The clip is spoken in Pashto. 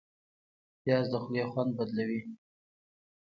پیاز د خولې خوند بدلوي